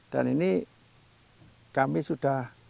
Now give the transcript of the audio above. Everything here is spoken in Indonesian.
dan ini kami sudah